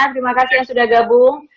terima kasih yang sudah gabung